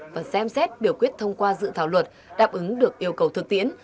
và xem xét biểu quyết thông qua dự thảo luật đáp ứng được yêu cầu thực tiễn